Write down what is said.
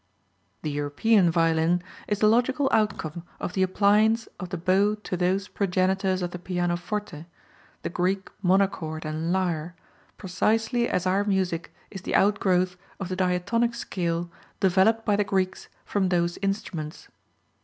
The European violin is the logical outcome of the appliance of the bow to those progenitors of the pianoforte, the Greek monochord and lyre, precisely as our music is the outgrowth of the diatonic scale developed by the Greeks from those instruments.